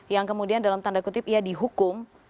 yang kemudian dalam tanda kutip ya dihukum